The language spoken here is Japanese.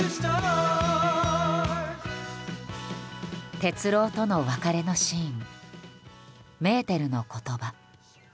鉄郎との別れのシーンメーテルの言葉。